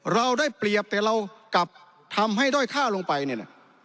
เราได้เปรียบแต่เรากลับทำให้ด้อยค่าลงไปเนี่ยนะ